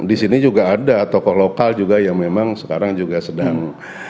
di sini juga ada tokoh lokal juga yang memang sekarang juga sedang